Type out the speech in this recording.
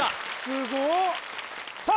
すごっさあ